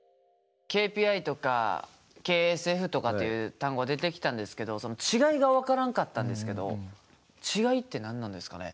ＫＰＩとかＫＳＦとかっていう単語出てきたんですけどその違いが分からんかったんですけど違いって何なんですかね？